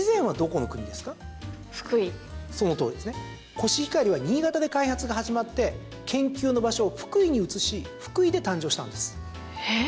コシヒカリは新潟で開発が始まって研究の場所を福井に移し福井で誕生したんです。